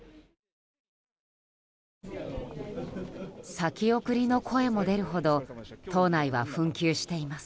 先送りの声も出るほど党内は紛糾しています。